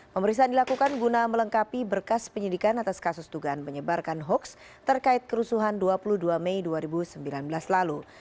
pemeriksaan dilakukan guna melengkapi berkas penyidikan atas kasus tugaan menyebarkan hoaks terkait kerusuhan dua puluh dua mei dua ribu sembilan belas lalu